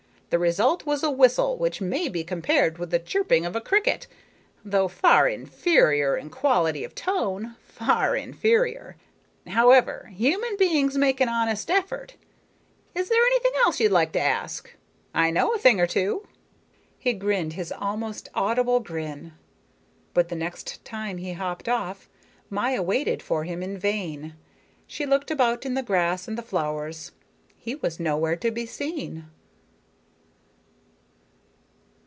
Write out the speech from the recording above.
The result was a whistle which may be compared with the chirping of a cricket, though far inferior in quality of tone, far inferior. However, human beings make an honest effort. Is there anything else you'd like to ask? I know a thing or two." He grinned his almost audible grin. But the next time he hopped off, Maya waited for him in vain. She looked about in the grass and the flowers; he was nowhere to be seen.